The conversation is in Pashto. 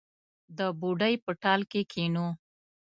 د بوډۍ په ټال کې کښېنو